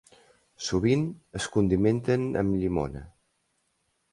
Sovint es condimenten amb llimona.